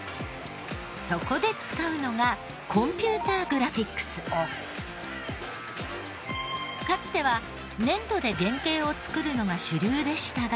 そこで使うのがかつては粘土で原型を作るのが主流でしたが。